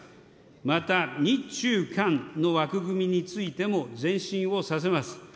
また日中韓の枠組みについても前進をさせます。